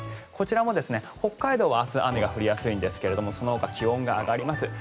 こちらも北海道は明日、雨が降りやすいんですがそのほか気温が上がります。